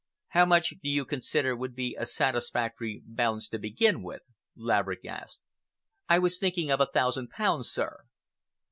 "How much do you consider would be a satisfactory balance to commence with?" Laverick asked. "I was thinking of a thousand pounds, sir."